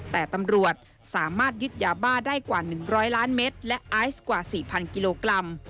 แต่ตำรวจสามารถยึดยาบ้าได้กว่า๑๐๐ล้านเมตรและไอซ์กว่า๔๐๐กิโลกรัม